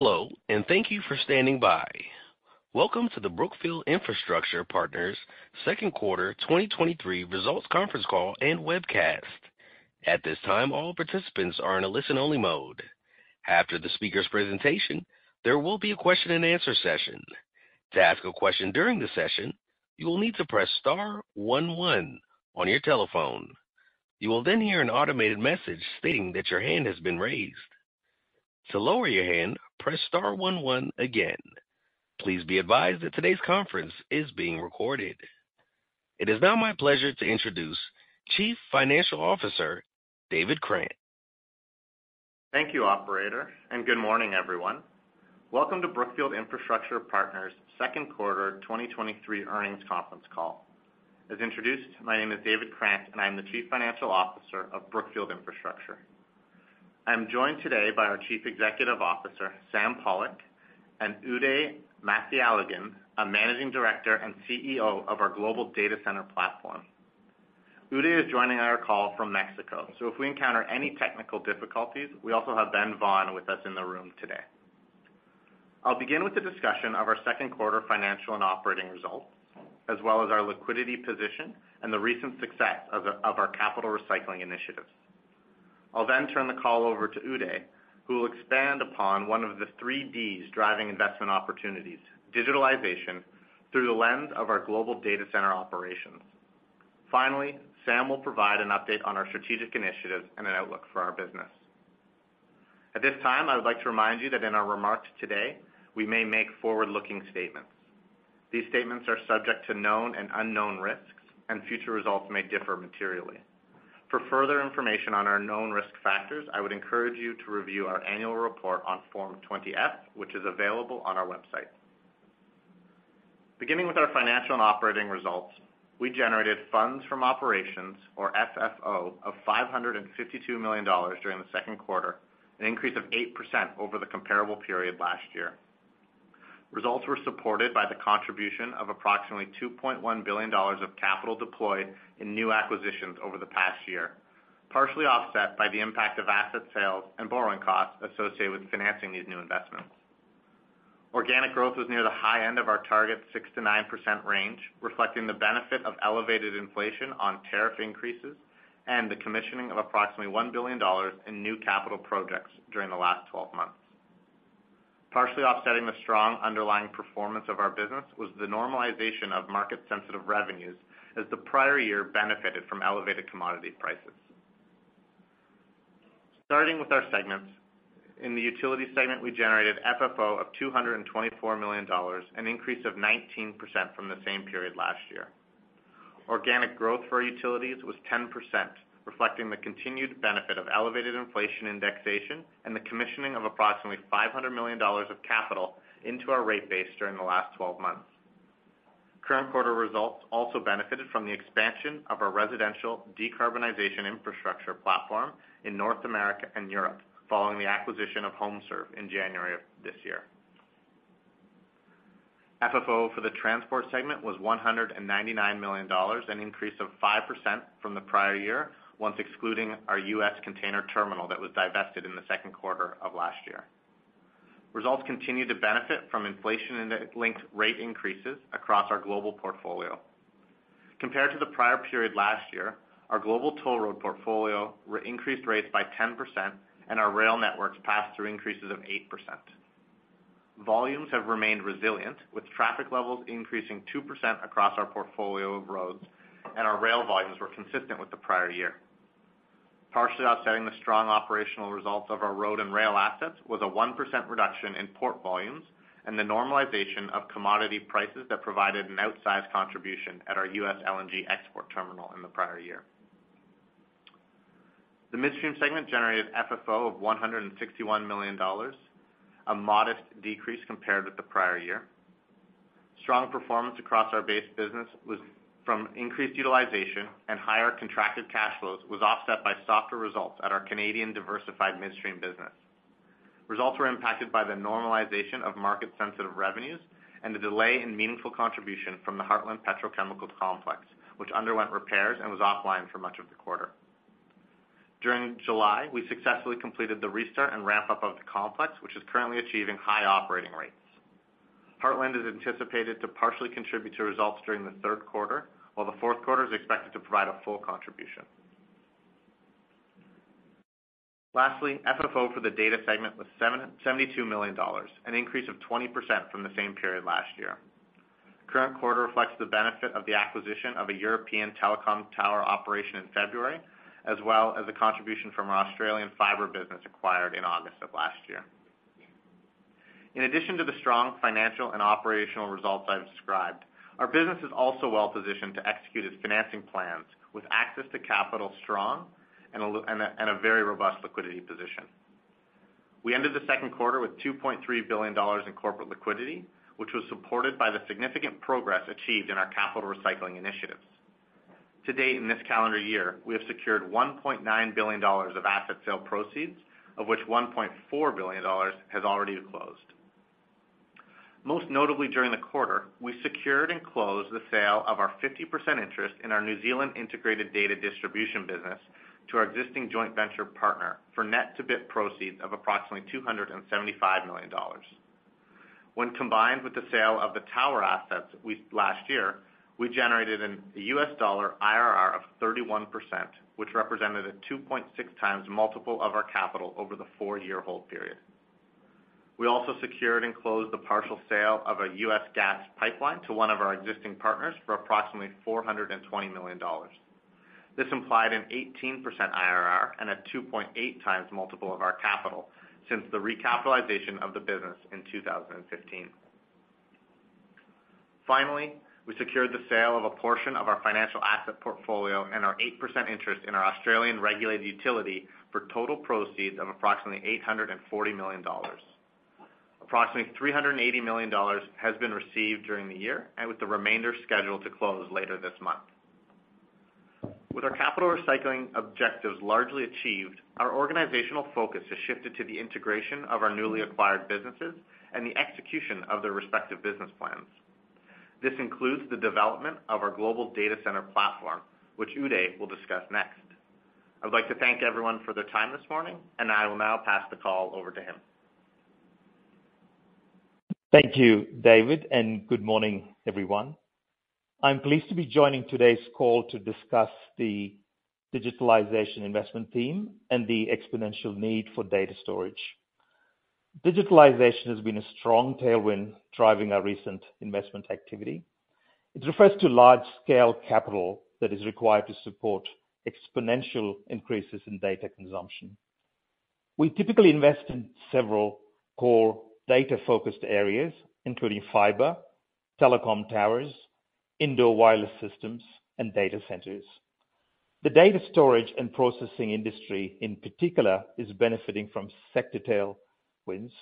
Hello, and thank you for standing by. Welcome to the Brookfield Infrastructure Partners 2nd quarter 2023 results conference call and webcast. At this time, all participants are in a listen-only mode. After the speaker's presentation, there will be a question-and-answer session. To ask a question during the session, you will need to press *11 on your telephone. You will then hear an automated message stating that your hand has been raised. To lower your hand, press *11 again. Please be advised that today's conference is being recorded. It is now my pleasure to introduce Chief Financial Officer, David Krant. Thank you, operator. Good morning, everyone. Welcome to Brookfield Infrastructure Partners second quarter 2023 earnings conference call. As introduced, my name is David Krant. I'm the Chief Financial Officer of Brookfield Infrastructure. I'm joined today by our Chief Executive Officer, Sam Pollock, and Uday Mathialagan, a Managing Director and CEO of our global data center platform. Uday is joining our call from Mexico. If we encounter any technical difficulties, we also have Ben Vaughan with us in the room today. I'll begin with a discussion of our second quarter financial and operating results, as well as our liquidity position and the recent success of our capital recycling initiatives. I'll turn the call over to Uday, who will expand upon one of the three Ds driving investment opportunities, digitalization, through the lens of our global data center operations. Finally, Sam will provide an update on our strategic initiatives and an outlook for our business. At this time, I would like to remind you that in our remarks today, we may make forward-looking statements. These statements are subject to known and unknown risks. Future results may differ materially. For further information on our known risk factors, I would encourage you to review our annual report on Form 20-F, which is available on our website. Beginning with our financial and operating results, we generated funds from operations, or FFO, of $552 million during the second quarter, an increase of 8% over the comparable period last year. Results were supported by the contribution of approximately $2.1 billion of capital deployed in new acquisitions over the past year, partially offset by the impact of asset sales and borrowing costs associated with financing these new investments. Organic growth was near the high end of our target, 6%-9% range, reflecting the benefit of elevated inflation on tariff increases and the commissioning of approximately $1 billion in new capital projects during the last 12 months. Partially offsetting the strong underlying performance of our business was the normalization of market-sensitive revenues, as the prior year benefited from elevated commodity prices. Starting with our segments, in the utility segment, we generated FFO of $224 million, an increase of 19% from the same period last year. Organic growth for utilities was 10%, reflecting the continued benefit of elevated inflation indexation and the commissioning of approximately $500 million of capital into our rate base during the last 12 months. Current quarter results also benefited from the expansion of our residential decarbonization infrastructure platform in North America and Europe, following the acquisition of HomeServe in January of this year. FFO for the transport segment was $199 million, an increase of 5% from the prior year, once excluding our US container terminal that was divested in the second quarter of last year. Results continued to benefit from inflation-linked rate increases across our global portfolio. Compared to the prior period last year, our global toll road portfolio increased rates by 10%, and our rail networks passed through increases of 8%. Volumes have remained resilient, with traffic levels increasing 2% across our portfolio of roads, and our rail volumes were consistent with the prior year. Partially offsetting the strong operational results of our road and rail assets was a 1% reduction in port volumes and the normalization of commodity prices that provided an outsized contribution at our US LNG export terminal in the prior year. The midstream segment generated FFO of $161 million, a modest decrease compared with the prior year. Strong performance across our base business was from increased utilization and higher contracted cash flows was offset by softer results at our Canadian diversified midstream business. Results were impacted by the normalization of market-sensitive revenues and the delay in meaningful contribution from the Heartland Petrochemical Complex, which underwent repairs and was offline for much of the quarter. During July, we successfully completed the restart and ramp-up of the complex, which is currently achieving high operating rates. Heartland is anticipated to partially contribute to results during the third quarter, while the fourth quarter is expected to provide a full contribution. Lastly, FFO for the data segment was $72 million, an increase of 20% from the same period last year. Current quarter reflects the benefit of the acquisition of a European telecom tower operation in February, as well as the contribution from our Australian fiber business acquired in August of last year. In addition to the strong financial and operational results I've described, our business is also well positioned to execute its financing plans with access to capital strong and a very robust liquidity position. We ended the second quarter with $2.3 billion in corporate liquidity, which was supported by the significant progress achieved in our capital recycling initiatives. To date, in this calendar year, we have secured $1.9 billion of asset sale proceeds, of which $1.4 billion has already closed. Most notably, during the quarter, we secured and closed the sale of our 50% interest in our New Zealand integrated data distribution business to our existing joint venture partner for net to BIP proceeds of approximately $275 million. When combined with the sale of the tower assets last year, we generated a US dollar IRR of 31%, which represented a 2.6x multiple of our capital over the four-year hold period. We also secured and closed the partial sale of a US gas pipeline to one of our existing partners for approximately $420 million. This implied an 18% IRR and a 2.8x multiple of our capital since the recapitalization of the business in 2015. Finally, we secured the sale of a portion of our financial asset portfolio and our 8% interest in our Australian regulated utility for total proceeds of approximately $840 million. Approximately $380 million has been received during the year, and with the remainder scheduled to close later this month. With our capital recycling objectives largely achieved, our organizational focus has shifted to the integration of our newly acquired businesses and the execution of their respective business plans. This includes the development of our global data center platform, which Uday will discuss next. I would like to thank everyone for their time this morning. I will now pass the call over to him. Thank you, David. Good morning, everyone. I'm pleased to be joining today's call to discuss the digitalization investment theme and the exponential need for data storage. Digitalization has been a strong tailwind driving our recent investment activity. It refers to large-scale capital that is required to support exponential increases in data consumption. We typically invest in several core data-focused areas, including fiber, telecom towers, indoor wireless systems, and data centers. The data storage and processing industry, in particular, is benefiting from sector tailwinds,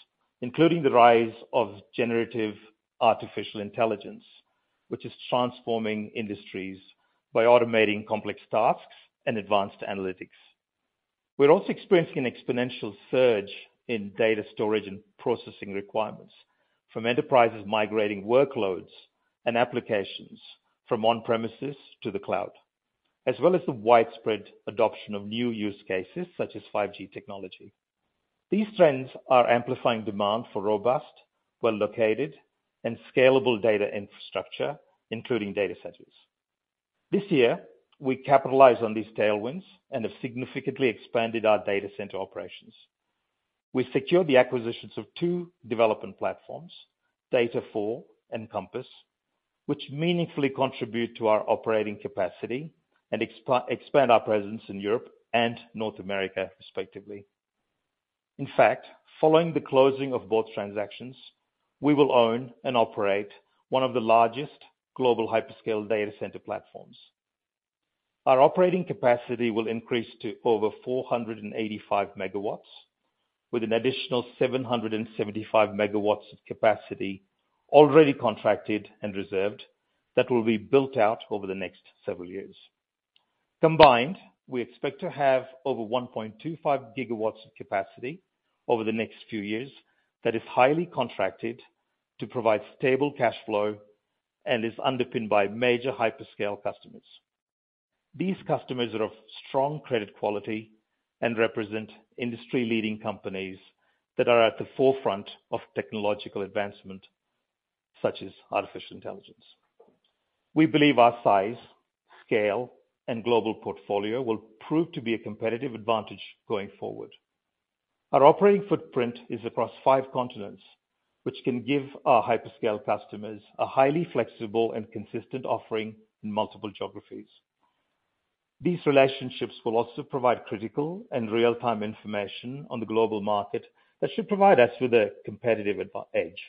including the rise of generative artificial intelligence, which is transforming industries by automating complex tasks and advanced analytics. We're also experiencing an exponential surge in data storage and processing requirements from enterprises migrating workloads and applications from on-premises to the cloud, as well as the widespread adoption of new use cases such as 5G technology. These trends are amplifying demand for robust, well-located, and scalable data infrastructure, including data centers. This year, we capitalized on these tailwinds and have significantly expanded our data center operations. We secured the acquisitions of two development platforms, Data4 and Compass, which meaningfully contribute to our operating capacity and expand our presence in Europe and North America, respectively. In fact, following the closing of both transactions, we will own and operate one of the largest global hyperscale data center platforms. Our operating capacity will increase to over 485 MW, with an additional 775 megawatts of capacity already contracted and reserved that will be built out over the next several years. Combined, we expect to have over 1.25 gigawatts of capacity over the next few years that is highly contracted to provide stable cash flow and is underpinned by major hyperscale customers. These customers are of strong credit quality and represent industry-leading companies that are at the forefront of technological advancement, such as artificial intelligence. We believe our size, scale, and global portfolio will prove to be a competitive advantage going forward. Our operating footprint is across five continents, which can give our hyperscale customers a highly flexible and consistent offering in multiple geographies. These relationships will also provide critical and real-time information on the global market that should provide us with a competitive advantage.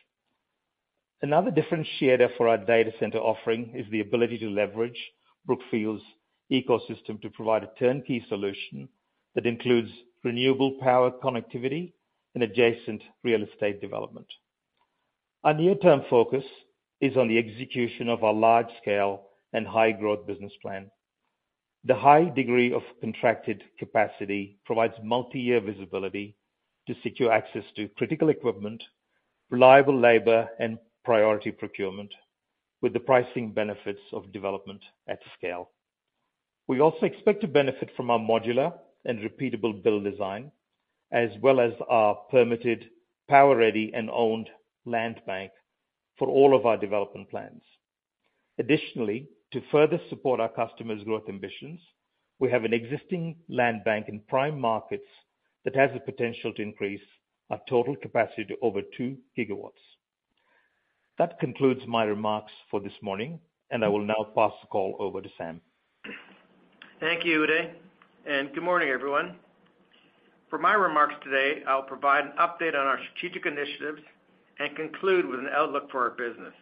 Another differentiator for our data center offering is the ability to leverage Brookfield's ecosystem to provide a turnkey solution that includes renewable power connectivity and adjacent real estate development. Our near-term focus is on the execution of our large-scale and high-growth business plan. The high degree of contracted capacity provides multiyear visibility to secure access to critical equipment, reliable labor, and priority procurement, with the pricing benefits of development at scale. We also expect to benefit from our modular and repeatable build design, as well as our permitted power-ready and owned land bank for all of our development plans. To further support our customers' growth ambitions, we have an existing land bank in prime markets that has the potential to increase our total capacity to over two gigawatts. That concludes my remarks for this morning, and I will now pass the call over to Sam. Thank you, Uday. Good morning, everyone. For my remarks today, I'll provide an update on our strategic initiatives and conclude with an outlook for our business.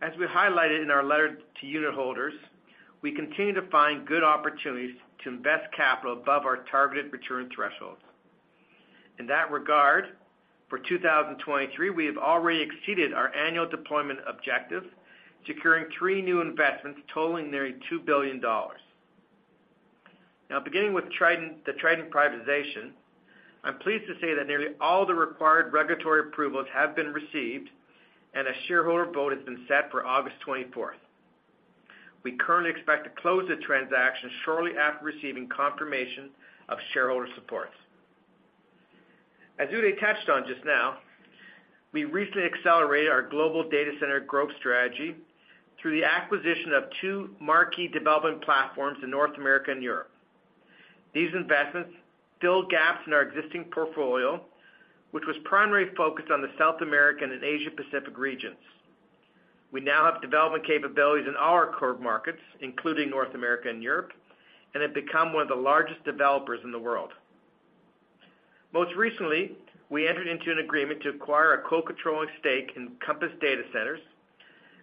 As we highlighted in our letter to unit holders, we continue to find good opportunities to invest capital above our targeted return threshold. In that regard, for 2023, we have already exceeded our annual deployment objective, securing three new investments totaling nearly $2 billion. Beginning with Triton, the Triton privatization, I'm pleased to say that nearly all the required regulatory approvals have been received, and a shareholder vote has been set for August 24. We currently expect to close the transaction shortly after receiving confirmation of shareholder support. As Uday touched on just now, we recently accelerated our global data center growth strategy through the acquisition of two marquee development platforms in North America and Europe. These investments fill gaps in our existing portfolio, which was primarily focused on the South American and Asia Pacific regions. We now have development capabilities in all our core markets, including North America and Europe, and have become one of the largest developers in the world. Most recently, we entered into an agreement to acquire a co-controlling stake in Compass Datacenters,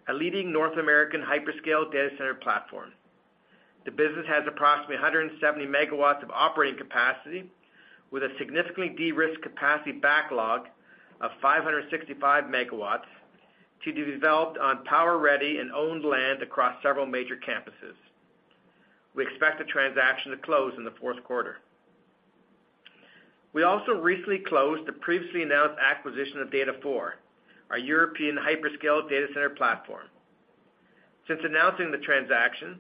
a leading North American hyperscale data center platform. The business has approximately 170 MW of operating capacity, with a significantly de-risked capacity backlog of 565 MW to be developed on power ready and owned land across several major campuses. We expect the transaction to close in the fourth quarter. We also recently closed the previously announced acquisition of Data4, our European hyperscale data center platform. Since announcing the transaction,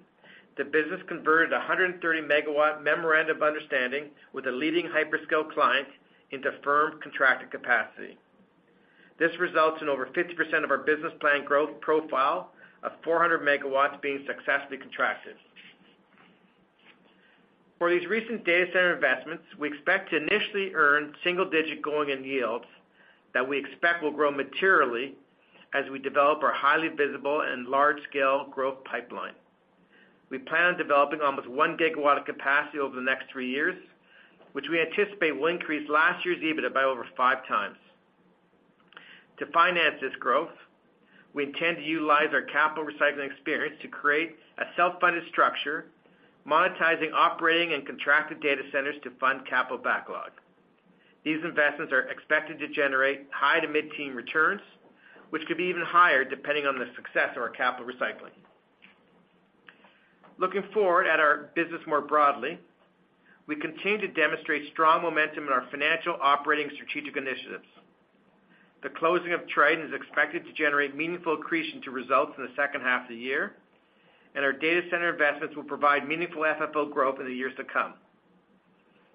the business converted 130 MW memorandum of understanding with a leading hyperscale client into firm contracted capacity. This results in over 50% of our business plan growth profile of 400 MW being successfully contracted. For these recent data center investments, we expect to initially earn single digit going in yields that we expect will grow materially as we develop our highly visible and large scale growth pipeline. We plan on developing almost one gigawatt of capacity over the next three years, which we anticipate will increase last year's EBITDA by over five times. To finance this growth, we intend to utilize our capital recycling experience to create a self-funded structure, monetizing operating and contracted data centers to fund capital backlog. These investments are expected to generate high to mid-teen returns, which could be even higher depending on the success of our capital recycling. Looking forward at our business more broadly, we continue to demonstrate strong momentum in our financial operating strategic initiatives. The closing of Triton is expected to generate meaningful accretion to results in the second half of the year. Our data center investments will provide meaningful FFO growth in the years to come.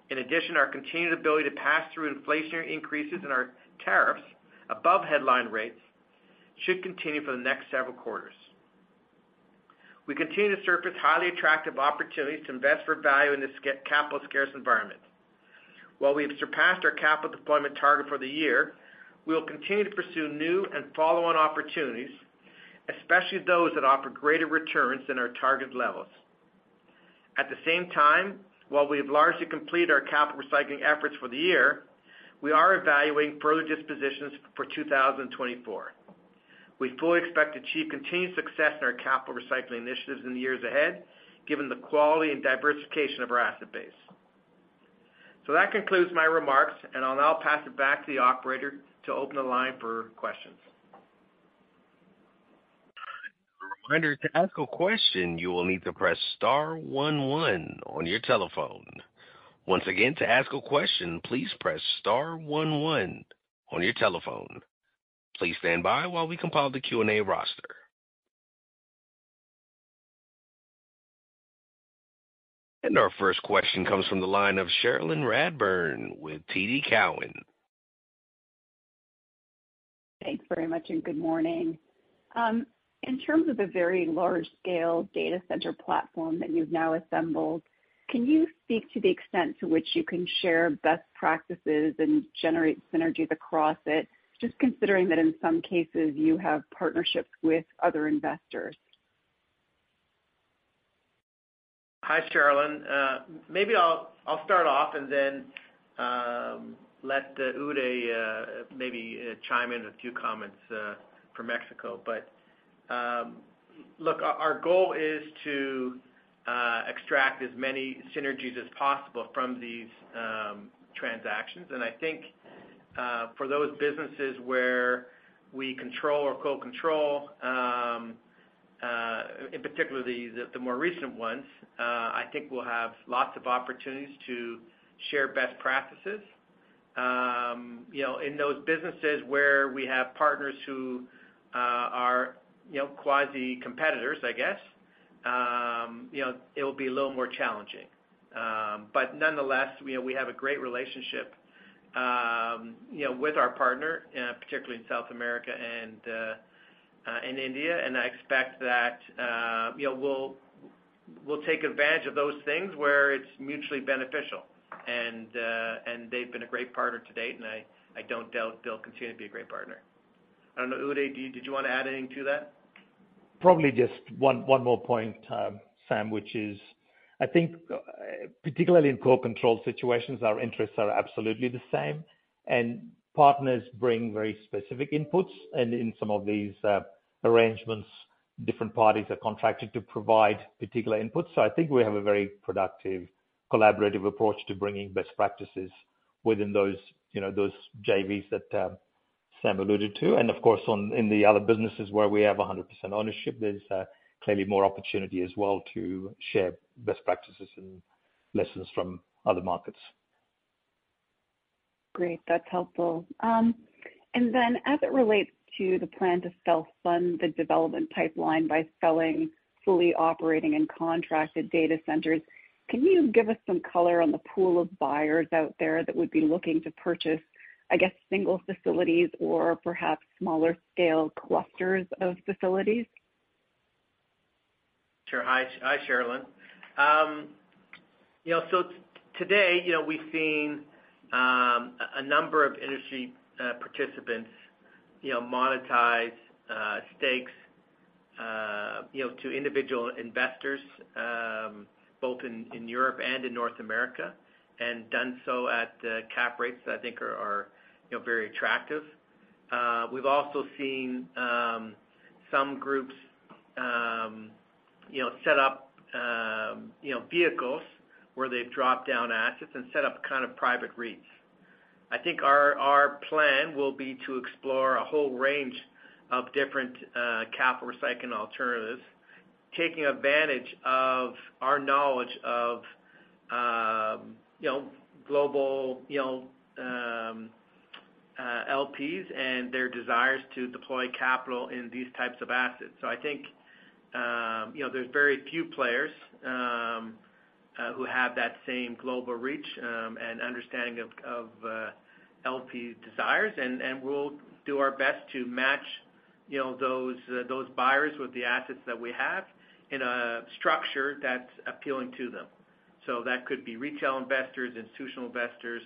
In addition, our continued ability to pass through inflationary increases in our tariffs above headline rates should continue for the next several quarters. We continue to surface highly attractive opportunities to invest for value in this capital scarce environment. While we have surpassed our capital deployment target for the year, we will continue to pursue new and follow-on opportunities, especially those that offer greater returns than our target levels. At the same time, while we have largely completed our capital recycling efforts for the year, we are evaluating further dispositions for 2024. We fully expect to achieve continued success in our capital recycling initiatives in the years ahead, given the quality and diversification of our asset base. That concludes my remarks, and I'll now pass it back to the operator to open the line for questions. A reminder, to ask a question, you will need to press star 1 1 on your telephone. Once again, to ask a question, please press star 1 1 on your telephone. Please stand by while we compile the Q&A roster. Our first question comes from the line of Cherilyn Radburtwith TD Cowen Thanks very much. Good morning. In terms of the very large scale data center platform that you've now assembled, can you speak to the extent to which you can share best practices and generate synergies across it? Just considering that in some cases you have partnerships with other investors. Hi, Cherilyn. Maybe I'll, I'll start off and then, let Uday maybe chime in with a few comments from Mexico. Look, our goal is to extract as many synergies as possible from these transactions. I think, for those businesses where we control or co-control, in particular the more recent ones, I think we'll have lots of opportunities to share best practices. You know, in those businesses where we have partners who are, you know, quasi competitors, I guess, you know, it will be a little more challenging. But nonetheless, you know, we have a great relationship, you know, with our partner, particularly in South America and in India. I expect that, you know, we'll, we'll take advantage of those things where it's mutually beneficial. And they've been a great partner to date, and I, I don't doubt they'll continue to be a great partner. I don't know, Uday, do you, did you want to add anything to that? Probably just one more point, Sam, which is, I think, particularly in co-controlled situations, our interests are absolutely the same, and partners bring very specific inputs, and in some of these, arrangements, different parties are contracted to provide particular inputs. I think we have a very productive, collaborative approach to bringing best practices within those, you know, those JVs that.... Sam alluded to, and of course, in the other businesses where we have 100% ownership, there's clearly more opportunity as well to share best practices and lessons from other markets. Great, that's helpful. Then as it relates to the plan to self-fund the development pipeline by selling fully operating and contracted data centers, can you give us some color on the pool of buyers out there that would be looking to purchase, I guess, single facilities or perhaps smaller scale clusters of facilities? Sure. Hi, hi, Sherilyn. You know, so today, you know, we've seen a number of industry participants, you know, monetize stakes, you know, to individual investors, both in Europe and in North America, and done so at cap rates that I think are, are, you know, very attractive. We've also seen some groups, you know, set up, you know, vehicles where they've dropped down assets and set up kind of private REITs. I think our, our plan will be to explore a whole range of different capital recycling alternatives, taking advantage of our knowledge of, you know, global, you know, LPs and their desires to deploy capital in these types of assets. I think, you know, there's very few players who have that same global reach and understanding of, of, LP desires. And we'll do our best to match, you know, those buyers with the assets that we have in a structure that's appealing to them. That could be retail investors, institutional investors,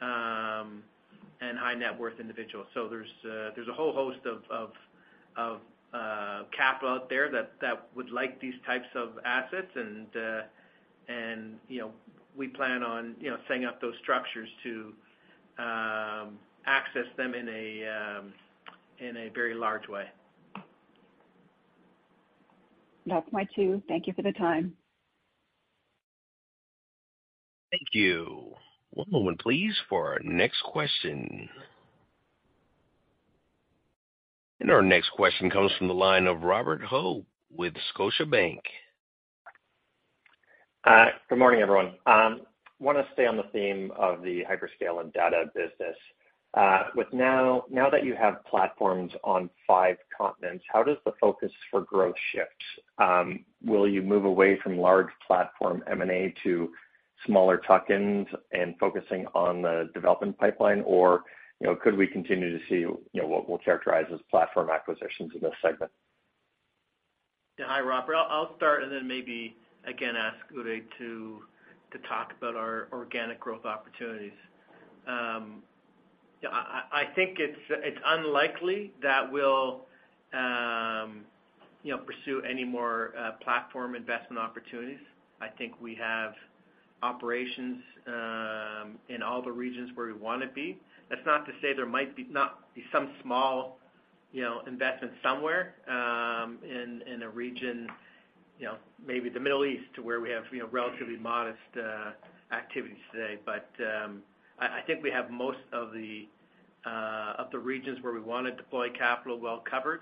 and high net worth individuals. There's, there's a whole host of, of, of, capital out there that, that would like these types of assets, and, and, you know, we plan on, you know, setting up those structures to access them in a, in a very large way. That's my two. Thank you for the time. Thank you. One moment, please, for our next question. Our next question comes from the line of Robert Hope with Scotiabank. Good morning, everyone. Wanna stay on the theme of the hyperscale and data business. With now, now that you have platforms on five continents, how does the focus for growth shift? Will you move away from large platform M&A to smaller tuck-ins and focusing on the development pipeline? You know, could we continue to see, you know, what we'll characterize as platform acquisitions in this segment? Yeah. Hi, Robert. I'll start and then maybe again ask Uday to talk about our organic growth opportunities. Yeah, I think it's unlikely that we'll, you know, pursue any more platform investment opportunities. I think we have operations in all the regions where we wanna be. That's not to say there might be, not be some small, you know, investment somewhere in a region, you know, maybe the Middle East, to where we have, you know, relatively modest activities today. I think we have most of the regions where we wanna deploy capital well covered.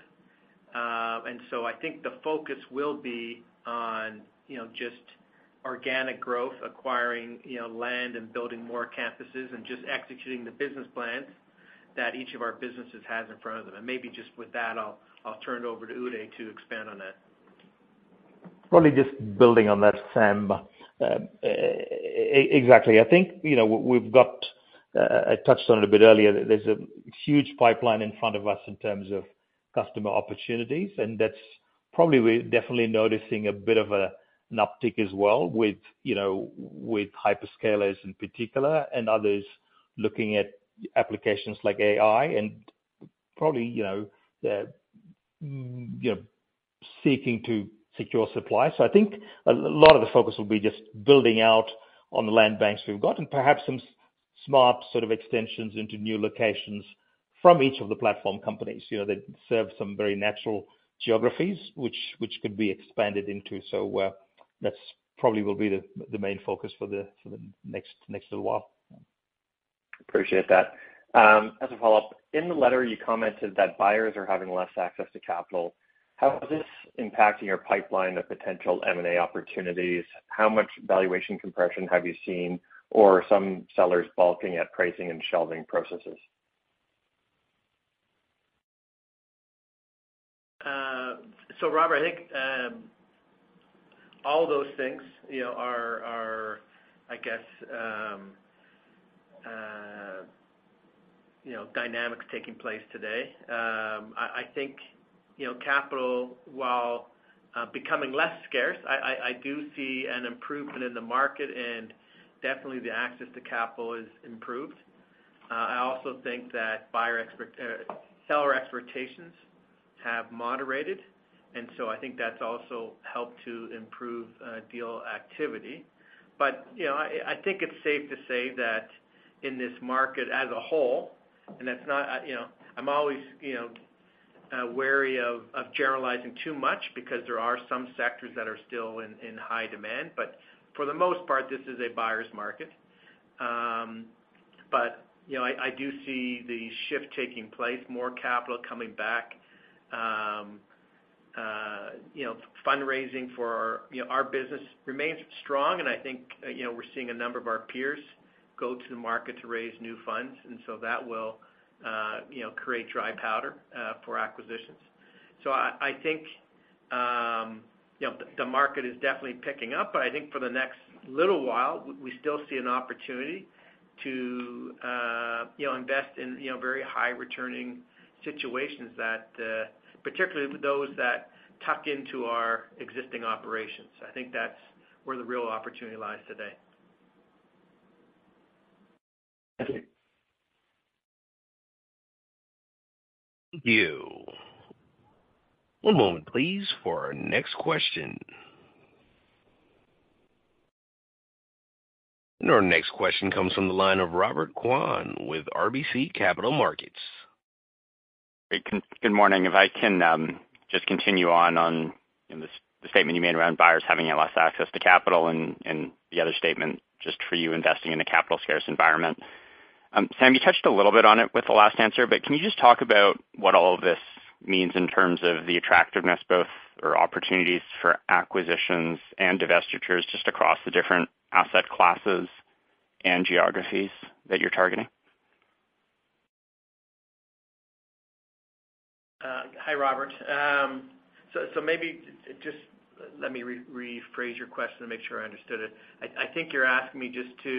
I think the focus will be on, you know, just organic growth, acquiring, you know, land and building more campuses and just executing the business plans that each of our businesses has in front of them. Maybe just with that, I'll, I'll turn it over to Uday to expand on that. Probably just building on that, Sam, exactly. I think, you know, we've got, I touched on it a bit earlier, there's a huge pipeline in front of us in terms of customer opportunities, and that's probably, we're definitely noticing a bit of an uptick as well with, you know, with hyperscalers in particular and others looking at applications like AI and probably, you know, seeking to secure supply. I think a lot of the focus will be just building out on the land banks we've got and perhaps some smart sort of extensions into new locations from each of the platform companies, you know, that serve some very natural geographies which could be expanded into. That's probably will be the main focus for the next, next little while. Appreciate that. As a follow-up, in the letter, you commented that buyers are having less access to capital. How is this impacting your pipeline of potential M&A opportunities? How much valuation compression have you seen, or some sellers balking at pricing and shelving processes? Robert, I think, all those things, you know, are, are, I guess, you know, dynamics taking place today. I, I think, you know, capital, while becoming less scarce, I, I, I do see an improvement in the market. Definitely the access to capital is improved. I also think that buyer expect-- seller expectations have moderated. I think that's also helped to improve deal activity. You know, I, I think it's safe to say that in this market as a whole, and that's not, I, you know, I'm always, you know, wary of generalizing too much because there are some sectors that are still in high demand, but for the most part, this is a buyer's market. You know, I, I do see the shift taking place, more capital coming back. you know, fundraising for our, you know, our business remains strong, and I think, you know, we're seeing a number of our peers go to the market to raise new funds, and so that will, you know, create dry powder for acquisitions. I, I think, you know, the, the market is definitely picking up, but I think for the next little while, we still see an opportunity to, you know, invest in, you know, very high returning situations that particularly those that tuck into our existing operations. I think that's where the real opportunity lies today. Thank you. One moment, please, for our next question. Our next question comes from the line of Robert Kwan with RBC Capital Markets. Great, good morning. If I can, just continue on, on, you know, the, the statement you made around buyers having less access to capital and the other statement just for you investing in a capital scarce environment. Sam, you touched a little bit on it with the last answer, but can you just talk about what all of this means in terms of the attractiveness, both, or opportunities for acquisitions and divestitures, just across the different asset classes and geographies that you're targeting? Hi, Robert. Maybe just let me rephrase your question to make sure I understood it. I think you're asking me just to,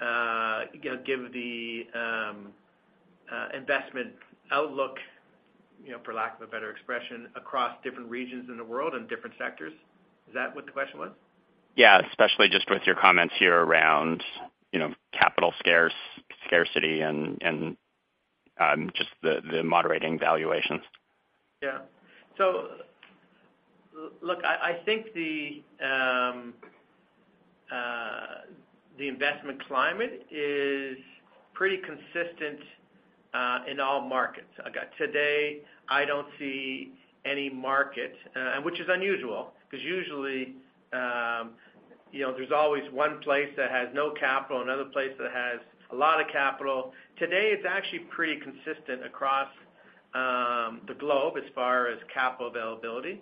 you know, give the investment outlook, you know, for lack of a better expression, across different regions in the world and different sectors. Is that what the question was? Yeah, especially just with your comments here around, you know, capital scarcity and just the moderating valuations. Yeah. Look, I, I think the investment climate is pretty consistent in all markets. Today, I don't see any market, and which is unusual, because usually, you know, there's always one place that has no capital, another place that has a lot of capital. Today, it's actually pretty consistent across the globe as far as capital availability.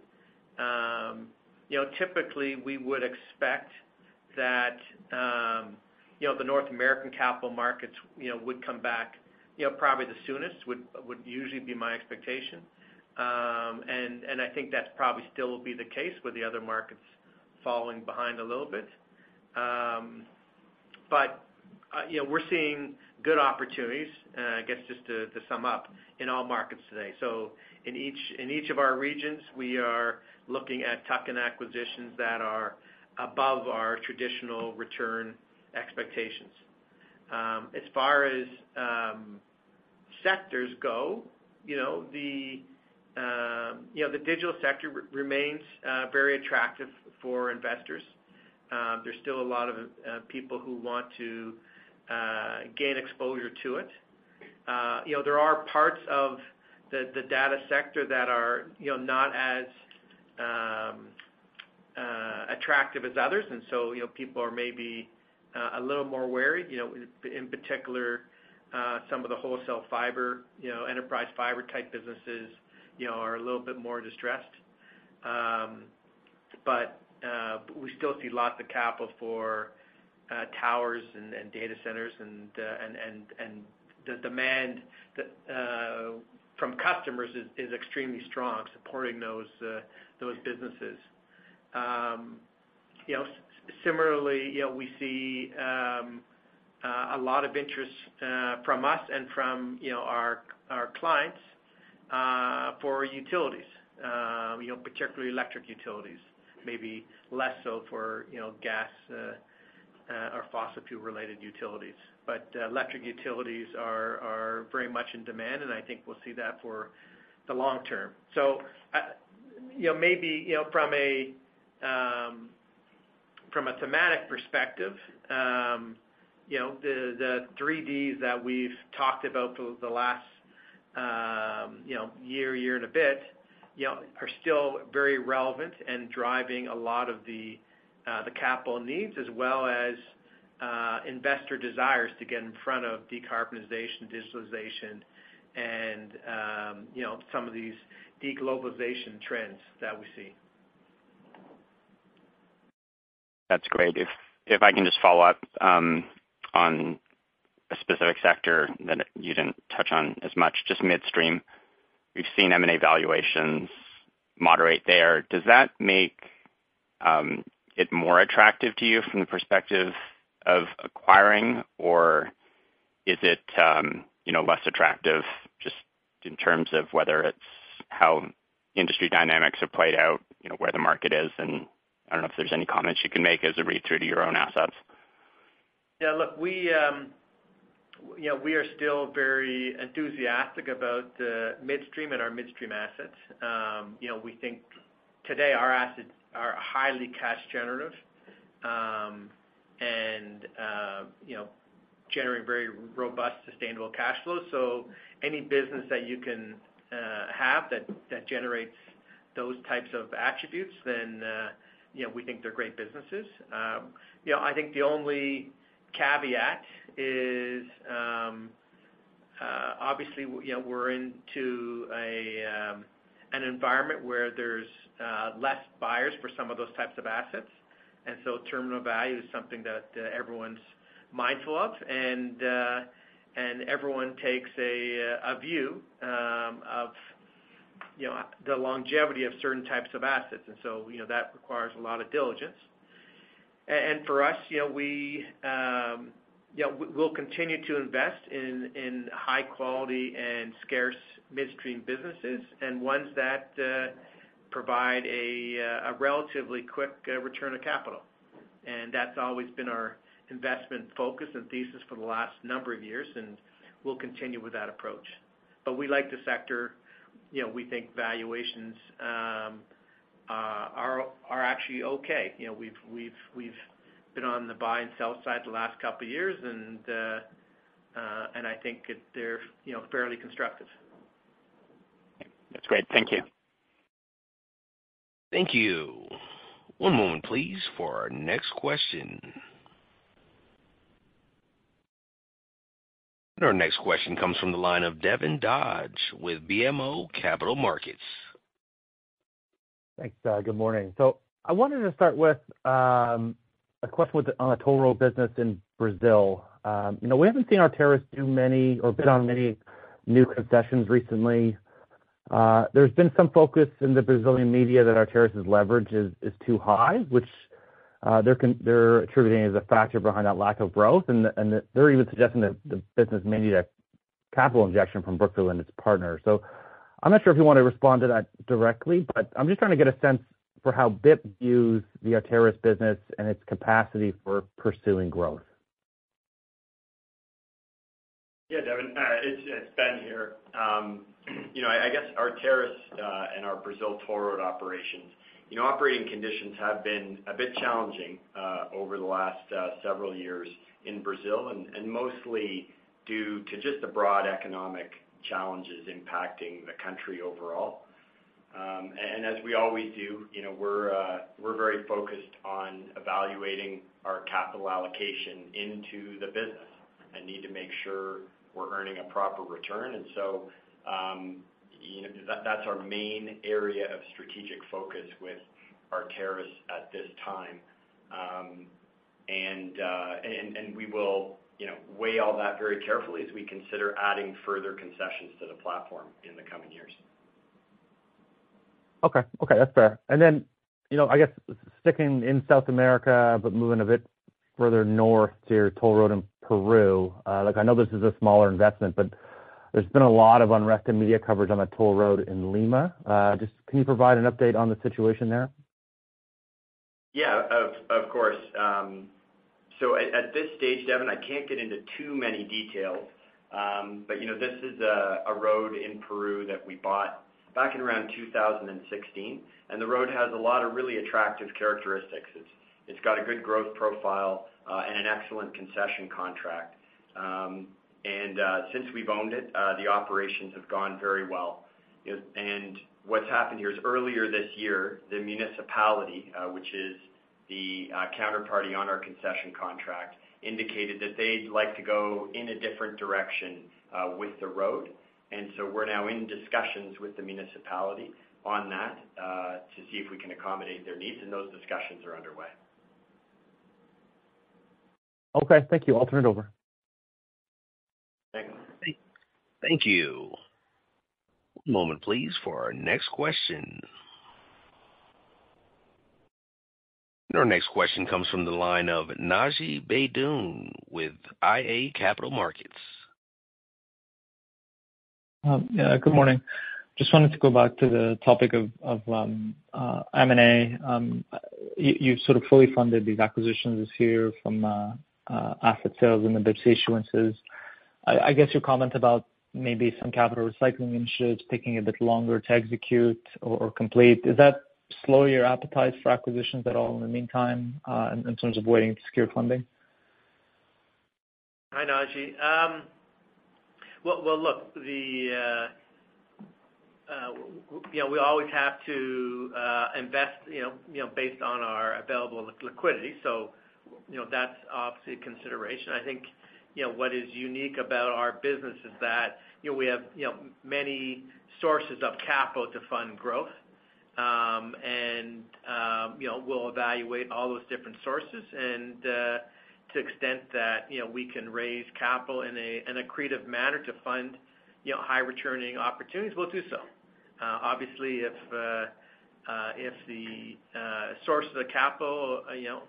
You know, typically, we would expect that, you know, the North American capital markets, you know, would come back, you know, probably the soonest, would, would usually be my expectation. And I think that's probably still will be the case with the other markets falling behind a little bit. You know, we're seeing good opportunities, I guess, just to, to sum up, in all markets today. In each, in each of our regions, we are looking at tuck-in acquisitions that are above our traditional return expectations. As far as sectors go, you know, the, you know, the digital sector remains very attractive for investors. There's still a lot of people who want to gain exposure to it. You know, there are parts of the, the data sector that are, you know, not as attractive as others, and so, you know, people are maybe a little more wary. You know, in, in particular, some of the wholesale fiber, you know, enterprise fiber-type businesses, you know, are a little bit more distressed. We still see lots of capital for towers and data centers, and the demand that from customers is extremely strong, supporting those businesses. You know, similarly, you know, we see a lot of interest from us and from, you know, our clients, for utilities, you know, particularly electric utilities. Maybe less so for, you know, gas, or fossil fuel-related utilities. Electric utilities are very much in demand, and I think we'll see that for the long term. Maybe, you know, from a thematic perspective, the three Ds that we've talked about for the last year, year and a bit, are still very relevant and driving a lot of the capital needs, as well as investor desires to get in front of decarbonization, digitalization, and some of these deglobalization trends that we see. That's great. If, if I can just follow up, on a specific sector that you didn't touch on as much, just midstream. We've seen M&A valuations moderate there. Does that make it more attractive to you from the perspective of acquiring, or is it, you know, less attractive just in terms of whether it's how industry dynamics have played out, you know, where the market is? I don't know if there's any comments you can make as it read through to your own assets. Yeah, look, we, you know, we are still very enthusiastic about midstream and our midstream assets. You know, we think today our assets are highly cash generative, generating very robust, sustainable cash flow. Any business that you can have that, that generates those types of attributes, then, you know, we think they're great businesses. You know, I think the only caveat is, obviously, you know, we're into an environment where there's less buyers for some of those types of assets, and so terminal value is something that everyone's mindful of, and everyone takes a view of, you know, the longevity of certain types of assets. You know, that requires a lot of diligence. For us, you know, we, yeah, we'll continue to invest in, in high quality and scarce midstream businesses and ones that provide a relatively quick return of capital. That's always been our investment focus and thesis for the last number of years, and we'll continue with that approach. We like the sector. You know, we think valuations are actually okay. You know, we've, we've, we've been on the buy and sell side the last couple of years, and I think they're, you know, fairly constructive. That's great. Thank you. Thank you. One moment, please, for our next question. Our next question comes from the line of Devin Dodge with BMO Capital Markets. Thanks. Good morning. I wanted to start with a question with, on the toll road business in Brazil. You know, we haven't seen Arteris do many or bid on many new concessions recently. There's been some focus in the Brazilian media that Arteris' leverage is, is too high, which they're attributing as a factor behind that lack of growth, and, and they're even suggesting that the business may need a capital injection from Brookfield and its partners. I'm not sure if you want to respond to that directly, but I'm just trying to get a sense for how BIP views the Arteris business and its capacity for pursuing growth. Yeah, Devin, it's, it's Ben here. you know, I guess Arteris and our Brazil toll road operations, you know, operating conditions have been a bit challenging over the last several years in Brazil, and mostly due to just the broad economic challenges impacting the country overall. As we always do, you know, we're very focused on evaluating our capital allocation into the business and need to make sure we're earning a proper return. you know, that's our main area of strategic focus with Arteris at this time. we will, you know, weigh all that very carefully as we consider adding further concessions to the platform in the coming years. Okay. Okay, that's fair. Then, you know, I guess sticking in South America, but moving a bit further north to your toll road in Peru. Look, I know this is a smaller investment, but there's been a lot of unrest and media coverage on the toll road in Lima. Just can you provide an update on the situation there? Yeah, of, of course. At, at this stage, Devin, I can't get into too many details. You know, this is a road in Peru that we bought back in around 2016, and the road has a lot of really attractive characteristics. It's, it's got a good growth profile, and an excellent concession contract. Since we've owned it, the operations have gone very well. What's happened here is earlier this year, the municipality, which is the counterparty on our concession contract, indicated that they'd like to go in a different direction, with the road. We're now in discussions with the municipality on that, to see if we can accommodate their needs, and those discussions are underway. Okay, thank you. I'll turn it over. Thanks. Thank you. One moment, please, for our next question. Our next question comes from the line of Naji Baydoun with iA Capital Markets. Yeah, good morning. Just wanted to go back to the topic of M&A. You, you sort of fully funded these acquisitions this year from asset sales and the BIPS issuances. I guess your comment about maybe some capital recycling initiatives taking a bit longer to execute or complete, does that slow your appetite for acquisitions at all in the meantime, in terms of waiting to secure funding? Hi, Naji. Well, well, look, you know, we always have to invest, you know, you know, based on our available liquidity. You know, that's obviously a consideration. I think, you know, what is unique about our business is that, you know, we have, you know, many sources of capital to fund growth. You know, we'll evaluate all those different sources to the extent that, you know, we can raise capital in an accretive manner to fund, you know, high returning opportunities, we'll do so. Obviously, if the source of the capital, you know,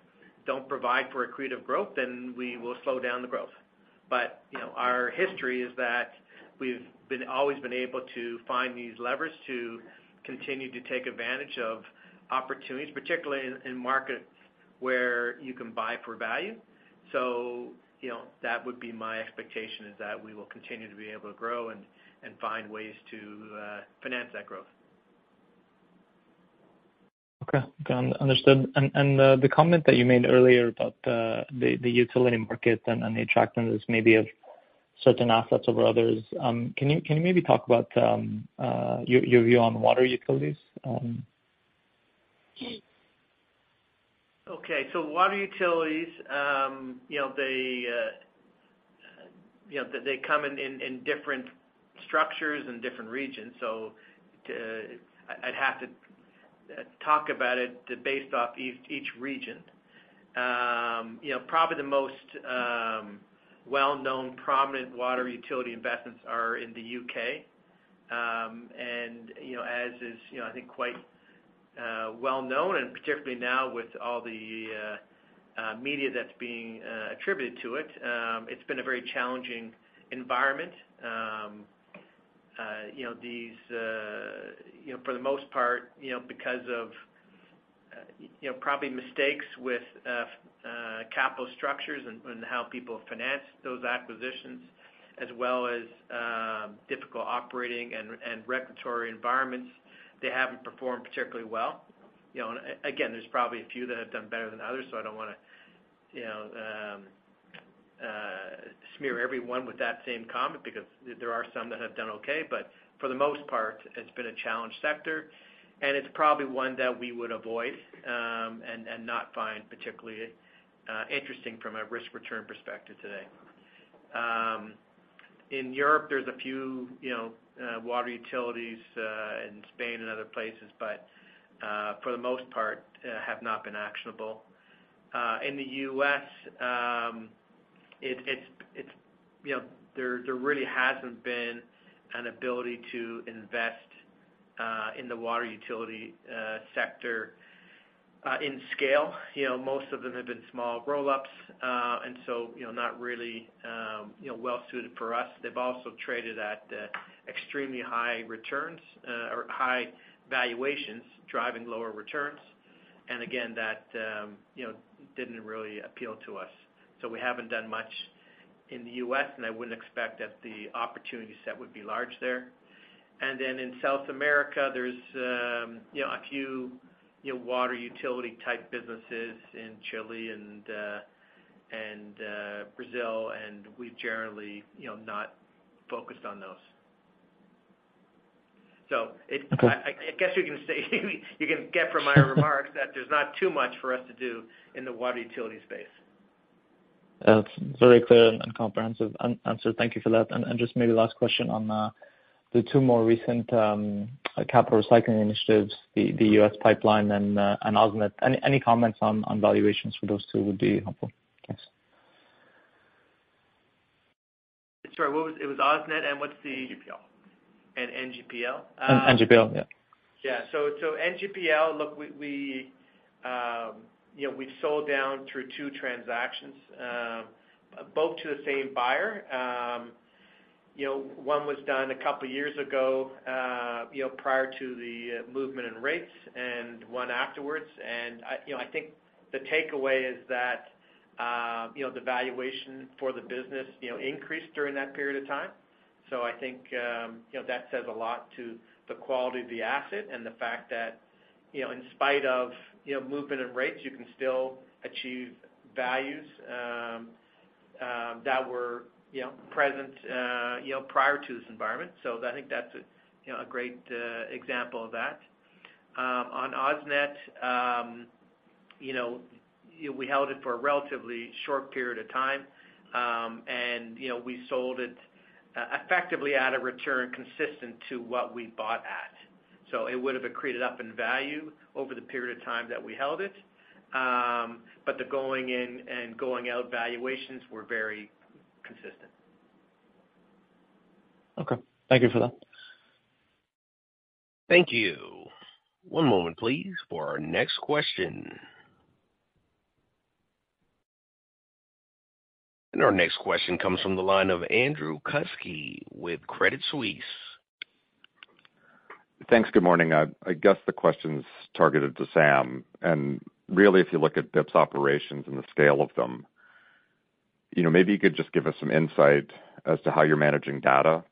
don't provide for accretive growth, then we will slow down the growth. You know, our history is that we've always been able to find these levers to continue to take advantage of opportunities, particularly in, in markets where you can buy for value. You know, that would be my expectation, is that we will continue to be able to grow and, and find ways to finance that growth. Okay, okay, understood. The comment that you made earlier about the utility market and the attractiveness maybe of certain assets over others, can you, can you maybe talk about your, your view on water utilities? Okay. Water utilities, you know, they, you know, they come in, in, in different structures and different regions. I, I'd have to talk about it based off each, each region. You know, probably the most well-known, prominent water utility investments are in the U.K. You know, as is, you know, I think, quite well known, and particularly now with all the media that's being attributed to it, it's been a very challenging environment. You know, these, you know, for the most part, you know, because of, you know, probably mistakes with capital structures and, and how people financed those acquisitions, as well as, difficult operating and, and regulatory environments, they haven't performed particularly well. You know, again, there's probably a few that have done better than others, so I don't wanna, you know, smear everyone with that same comment because there are some that have done okay. For the most part, it's been a challenged sector, and it's probably one that we would avoid, and not find particularly interesting from a risk-return perspective today. In Europe, there's a few, you know, water utilities in Spain and other places, but for the most part, have not been actionable. In the U.S., it's, it's, it's, you know, there, there really hasn't been an ability to invest in the water utility sector in scale. You know, most of them have been small roll-ups, and so, you know, not really, you know, well suited for us. They've also traded at extremely high returns or high valuations, driving lower returns. Again, that, you know, didn't really appeal to us. We haven't done much in the U.S., and I wouldn't expect that the opportunity set would be large there. Then in South America, there's, you know, a few, you know, water utility-type businesses in Chile and Brazil, and we've generally, you know, not focused on those. Okay. I guess you can say, you can get from my remarks, that there's not too much for us to do in the water utility space. That's very clear and comprehensive an answer. Thank you for that. Just maybe last question on the two more recent capital recycling initiatives, the US pipeline and AusNet. Any comments on valuations for those two would be helpful. Thanks. Sorry, what was... It was AusNet, and what's the- NGPL. NGPL? NGPL, yeah. Yeah. NGPL, look, we, we, you know, we've sold down through two transactions, both to the same buyer. You know, one was done a couple of years ago, you know, prior to the movement in rates and one afterwards. I, you know, I think the takeaway is that, you know, the valuation for the business, you know, increased during that period of time. I think, you know, that says a lot to the quality of the asset and the fact that, you know, in spite of, you know, movement in rates, you can still achieve values that were, you know, present, you know, prior to this environment. I think that's a, you know, a great example of that. On AusNet, you know, we held it for a relatively short period of time. You know, we sold it, effectively at a return consistent to what we bought at. It would have accreated up in value over the period of time that we held it. The going in and going out valuations were very consistent. Okay. Thank you for that. Thank you. One moment, please, for our next question. Our next question comes from the line of Andrew Kusky with Credit Suisse. Thanks. Good morning. I guess the question's targeted to Sam. Really, if you look at BIP's operations and the scale of them, you know, maybe you could just give us some insight as to how you're managing data.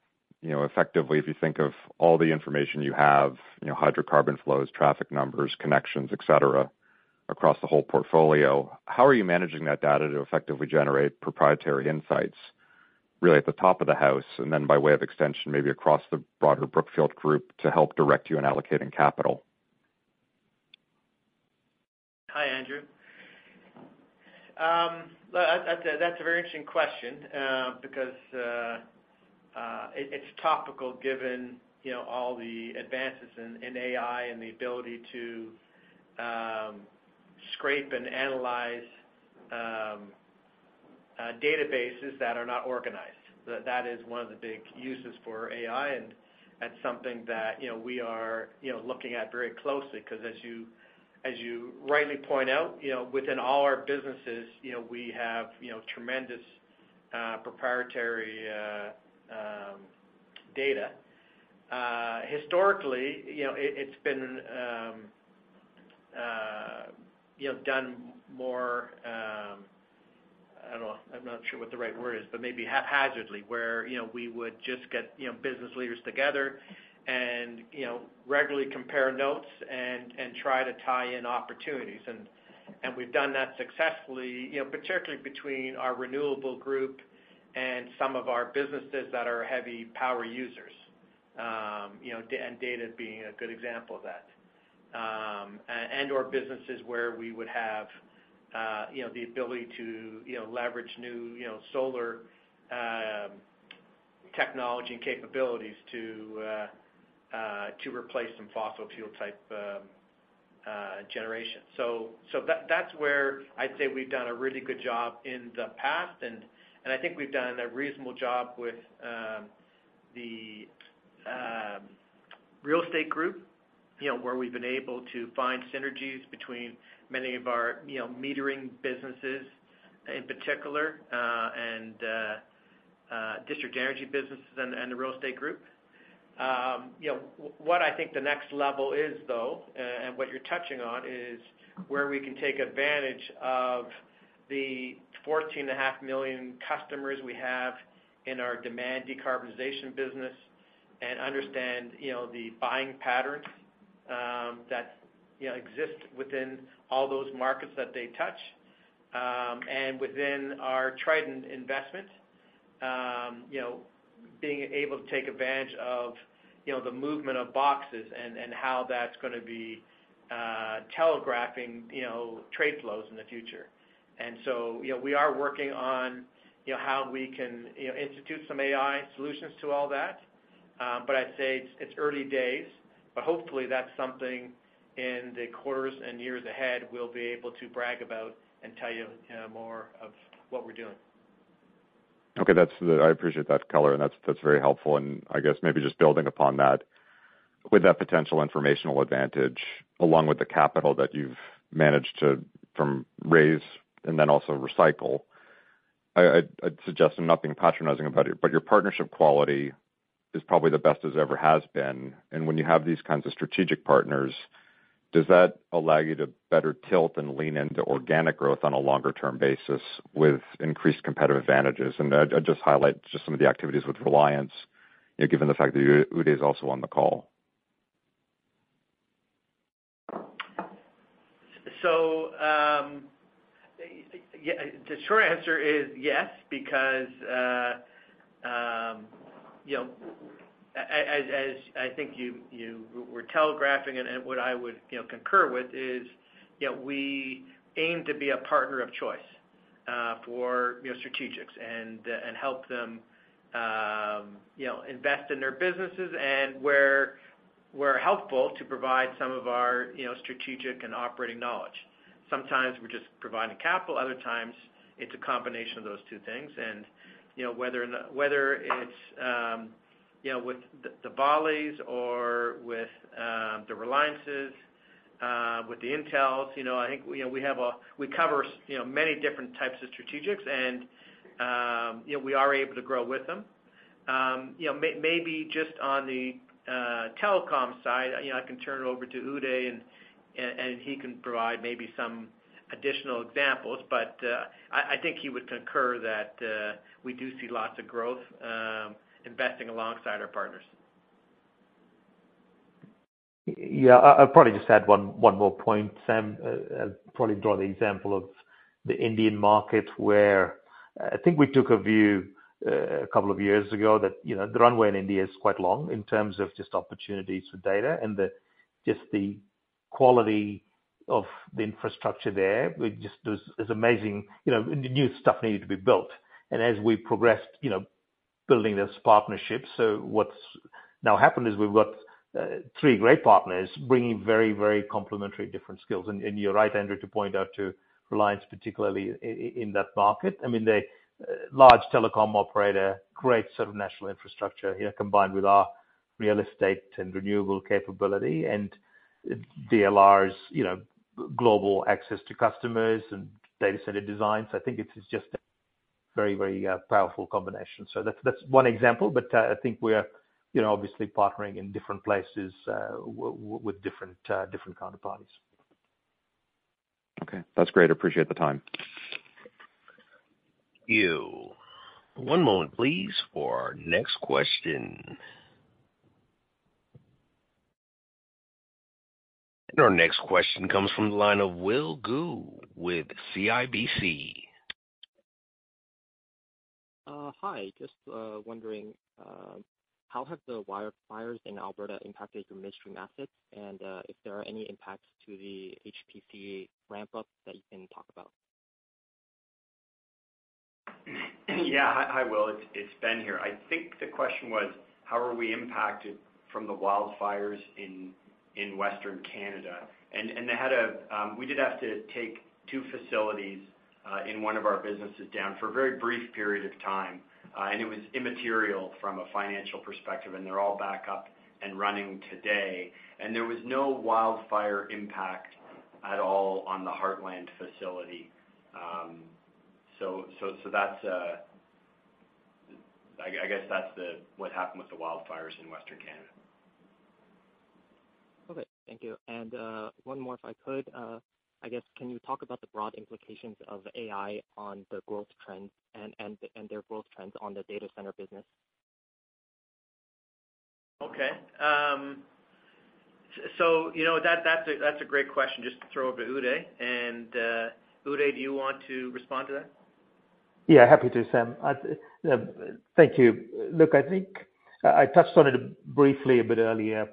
You know, effectively, if you think of all the information you have, you know, hydrocarbon flows, traffic numbers, connections, et cetera, across the whole portfolio, how are you managing that data to effectively generate proprietary insights, really at the top of the house, and then by way of extension, maybe across the broader Brookfield group to help direct you in allocating capital? Hi, Andrew. Well, that's a, that's a very interesting question, because it, it's topical given, you know, all the advances in, in AI and the ability to scrape and analyze databases that are not organized. That is one of the big uses for AI. That's something that, you know, we are, you know, looking at very closely, 'cause as you, as you rightly point out, you know, within all our businesses, you know, we have, you know, tremendous proprietary data. Historically, you know, it, it's been, you know, done more... I'm not sure what the right word is, but maybe haphazardly, where, you know, we would just get, you know, business leaders together and, you know, regularly compare notes and, and try to tie in opportunities. We've done that successfully, particularly between our renewable group and some of our businesses that are heavy power users. Data being a good example of that. Businesses where we would have the ability to leverage new solar technology and capabilities to replace some fossil fuel type generation. That's where I'd say we've done a really good job in the past, I think we've done a reasonable job with the real estate group where we've been able to find synergies between many of our metering businesses in particular, and district energy businesses and the real estate group. You know, what I think the next level is though, and what you're touching on, is where we can take advantage of the 14.5 million customers we have in our demand decarbonization business and understand, you know, the buying patterns, that, you know, exist within all those markets that they touch. Within our Triton investment, you know, being able to take advantage of, you know, the movement of boxes and, and how that's gonna be, telegraphing, you know, trade flows in the future. You know, we are working on, you know, how we can, you know, institute some AI solutions to all that. I'd say it's, it's early days, but hopefully that's something in the quarters and years ahead, we'll be able to brag about and tell you, you know, more of what we're doing. Okay, that's the... I appreciate that color, and that's, that's very helpful. I guess maybe just building upon that, with that potential informational advantage, along with the capital that you've managed to raise and then also recycle, I, I, I'd suggest nothing patronizing about it, but your partnership quality is probably the best it ever has been. When you have these kinds of strategic partners, does that allow you to better tilt and lean into organic growth on a longer term basis with increased competitive advantages? I'd, I'd just highlight just some of the activities with Reliance, you know, given the fact that Uday is also on the call. Yeah, the short answer is yes, because, you know, as, as I think you, you were telegraphing and, and what I would, you know, concur with, is, you know, we aim to be a partner of choice, for, you know, strategics and help them, you know, invest in their businesses and where we're helpful to provide some of our, you know, strategic and operating knowledge. Sometimes we're just providing capital, other times it's a combination of those two things. You know, whether or not... Whether it's, you know, with the, Ambanis or with, the Reliances, with the Intels, you know, I think, you know, we cover, you know, many different types of strategics and, you know, we are able to grow with them. you know, maybe just on the telecom side, you know, I can turn it over to Uday and, and, and he can provide maybe some additional examples, but I, I think he would concur that we do see lots of growth, investing alongside our partners. Yeah, I, I'll probably just add one more point, Sam. I'll probably draw the example of the Indian market, where I think we took a view, two years ago that, you know, the runway in India is quite long in terms of just opportunities for data, and the just the quality of the infrastructure there, we just is amazing, you know, and the new stuff needed to be built. As we progressed, you know, building this partnership, so what's now happened is we've got three great partners bringing very, very complementary different skills. You're right, Andrew, to point out to Reliance, particularly in that market. I mean, the large telecom operator, great sort of national infrastructure here, combined with our real estate and renewable capability and Digital Realty's, you know, global access to customers and data center designs. I think it is just a very, very powerful combination. That's, that's one example, but, I think we are, you know, obviously partnering in different places, with different, different counterparties. Okay. That's great. Appreciate the time. Thank you. One moment, please, for our next question. Our next question comes from the line of Will Ga with CIBC. Hi. Just wondering how have the wildfires in Alberta impacted your midstream assets? If there are any impacts to the HPC ramp-up that you can talk about? Yeah. Hi, Hi, Will. It's, it's Ben here. I think the question was, how are we impacted from the wildfires in, in Western Canada? They had we did have to take two facilities in one of our businesses down for a very brief period of time. It was immaterial from a financial perspective, and they're all back up and running today. There was no wildfire impact at all on the Heartland facility. So, so that's. Yes, that's what happened with the wildfires in Western Canada. Okay. Thank you. One more, if I could. I guess, can you talk about the broad implications of AI on the growth trends and, and, and their growth trends on the data center business? Okay. you know, that, that's a, that's a great question just to throw over to Uday. Uday, do you want to respond to that? Happy to, Sam. I, thank you. Look, I think I touched on it briefly a bit earlier.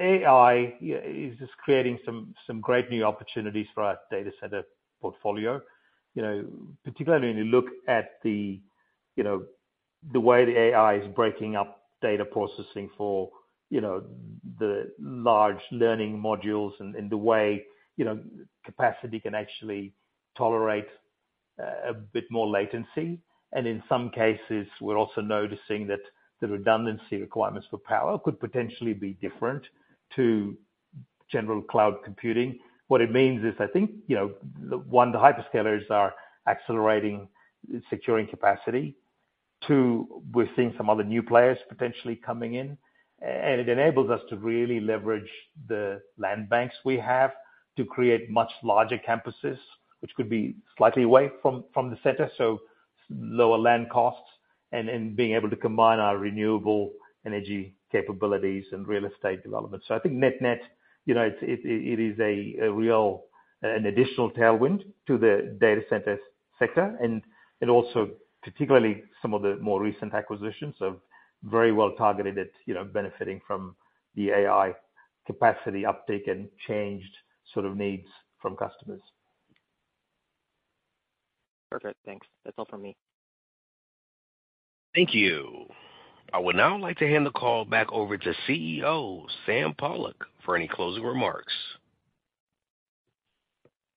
AI is just creating some, some great new opportunities for our data center portfolio. You know, particularly when you look at the, you know, the way the AI is breaking up data processing for, you know, the large language models and, and the way, you know, capacity can actually tolerate a bit more latency. In some cases, we're also noticing that the redundancy requirements for power could potentially be different to general cloud computing. What it means is, I think, you know, one, the hyperscalers are accelerating, securing capacity. Two, we're seeing some other new players potentially coming in, and it enables us to really leverage the land banks we have to create much larger campuses, which could be slightly away from the center, so lower land costs and being able to combine our renewable energy capabilities and real estate development. I think net-net, you know, it is a real, an additional tailwind to the data centers sector, and it also, particularly some of the more recent acquisitions of very well targeted, you know, benefiting from the AI capacity uptake and changed sort of needs from customers. Perfect. Thanks. That's all from me. Thank you. I would now like to hand the call back over to CEO, Sam Pollock, for any closing remarks.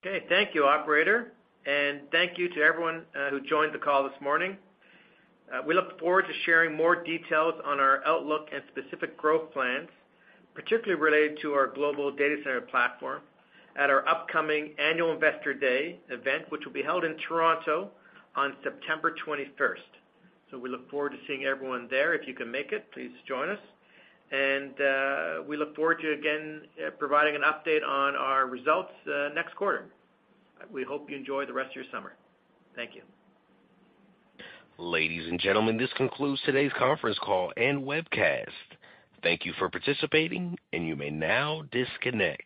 Okay. Thank you, operator, and thank you to everyone who joined the call this morning. We look forward to sharing more details on our outlook and specific growth plans, particularly related to our global data center platform at our upcoming Annual Investor Day event, which will be held in Toronto on September 21st. We look forward to seeing everyone there. If you can make it, please join us. We look forward to, again, providing an update on our results next quarter. We hope you enjoy the rest of your summer. Thank you. Ladies and gentlemen, this concludes today's conferencecall and webcast. Thank you for participating, and you may now disconnect.